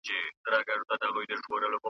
د بوډۍ ټال به مي په سترګو کي وي .